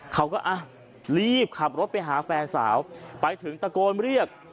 เขาก็อ่ะรีบขับรถไปหาแฟนสาวไปถึงตะโกนเรียก